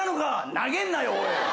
投げんなよおい。